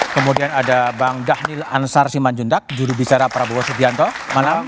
kemudian ada bapak dahlil ansar simanjondak jurubicara prabowo nice bianto malam